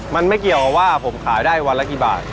มันไม่เกี่ยวกับว่าผมขายได้วันละกี่บาท